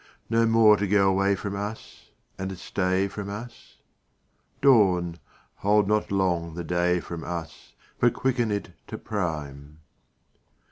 No more to go away from us And stay from us?— Dawn, hold not long the day from us, But quicken it to prime!